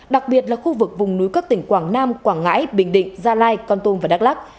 đặc biệt là khu vực vùng núi các tỉnh quảng nam quảng ngãi bình định gia lai con tum và đắk lắc